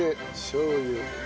しょう油。